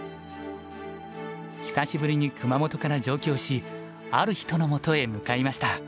久しぶりに熊本から上京しある人のもとへ向かいました。